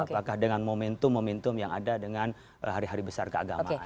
apakah dengan momentum momentum yang ada dengan hari hari besar keagamaan